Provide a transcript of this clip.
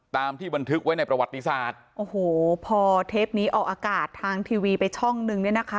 ตามที่บันทึกไว้ในประวัติศาสตร์โอ้โหพอเทปนี้ออกอากาศทางทีวีไปช่องนึงเนี่ยนะคะ